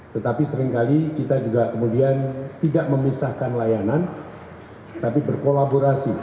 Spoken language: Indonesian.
tetapi seringkali kita juga kemudian tidak memisahkan layanan tapi berkolaborasi